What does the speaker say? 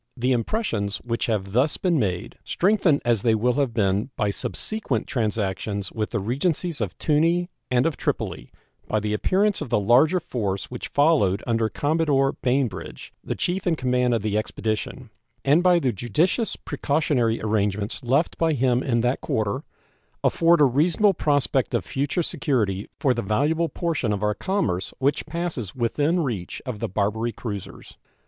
The impressions which have thus been made, strengthened as they will have been by subsequent transactions with the Regencies of Tunis and of Tripoli by the appearance of the larger force which followed under Commodore Bainbridge, the chief in command of the expedition, and by the judicious precautionary arrangements left by him in that quarter, afford a reasonable prospect of future security for the valuable portion of our commerce which passes within reach of the Barbary cruisers.